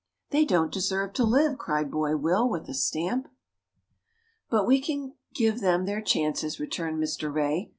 "They don't deserve to live!" cried Boy Will, with a stamp. "But we can give them their chances," returned Mr. Rey.